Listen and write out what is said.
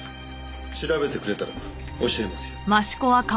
調べてくれたら教えますよ。